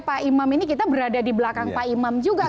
pak imam ini kita berada di belakang pak imam juga